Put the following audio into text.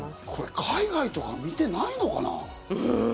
これ海外とか見てないのかな？